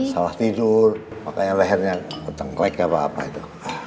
salah tidur makanya lehernya kecengklek apa apa itu